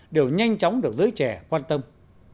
đều nhanh chóng được truyền hình